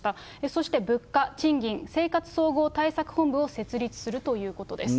そして物価・賃金・生活総合対策本部を設立するということです。